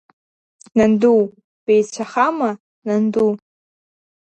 Нанду, беицәахама, Нанду?